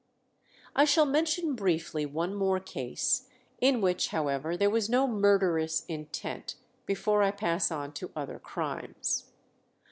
I shall mention briefly one more case, in which, however, there was no murderous intent, before I pass on to other crimes.